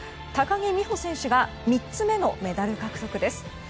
高木美帆選手が３つ目のメダル獲得です。